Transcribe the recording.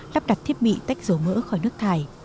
lắp đặt thiết bị tách dầu mỡ khỏi nước thải